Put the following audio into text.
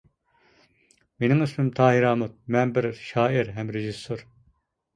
مېنىڭ ئىسمىم تاھىر ھامۇت، مەن بىر شائىر ھەم رېژىسسور.